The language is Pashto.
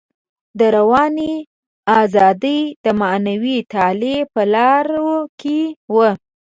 دروني ازادي د معنوي تعالي په لارو کې وه.